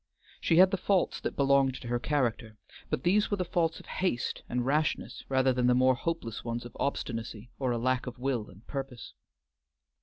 She had the faults that belonged to her character, but these were the faults of haste and rashness rather than the more hopeless ones of obstinacy or a lack of will and purpose.